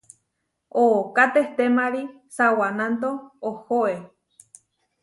Ooká tehtémari sa wananto oʼhóe.